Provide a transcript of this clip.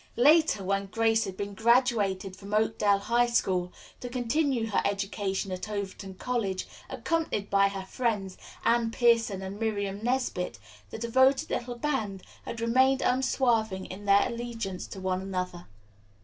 Later, when Grace had been graduated from Oakdale High School to continue her education at Overton College, accompanied by her friends, Anne Pierson and Miriam Nesbit, the devoted little band had remained unswerving in their allegiance to one another.